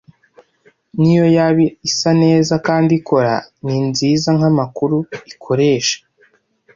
niyo yaba isa neza kandi ikora, ni nziza nkamakuru ikoresha.